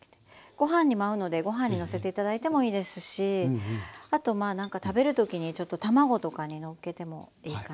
ご飯にも合うのでご飯にのせて頂いてもいいですしあと何か食べるときにちょっと卵とかにのっけてもいいかなと思います。